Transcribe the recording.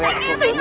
đừng đánh em chị